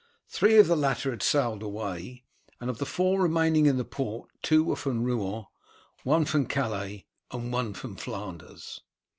Three of the latter had sailed away, and of the four remaining in the port two were from Rouen, one from Calais, and one from Flanders.